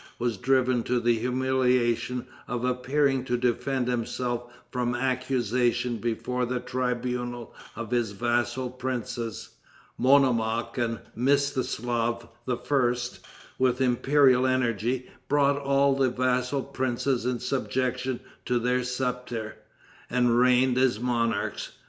was driven to the humiliation of appearing to defend himself from accusation before the tribunal of his vassal princes. Monomaque and Mstislaf I., with imperial energy, brought all the vassal princes in subjection to their scepter, and reigned as monarchs.